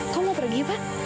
kok mau pergi pak